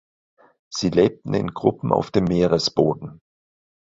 Sie lebten in Gruppen auf dem Meeresboden.